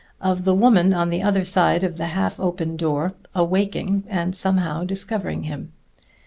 of the woman on the other side of the half open door awaking and somehow discovering him.